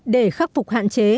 để khắc phục hạn chế